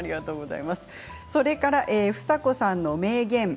それから房子さんの名言